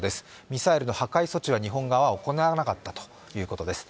ミサイルの破壊措置は日本側は行わなかったということです。